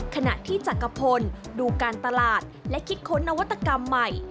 ขณะที่จักรพลดูการตลาดและคิดค้นนวัตกรรมใหม่